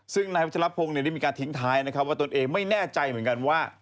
ซึ่งนายวัชลพงศ์ได้มีการทิ้งท้ายนะครับว่าตนเองไม่แน่ใจเหมือนกันว่า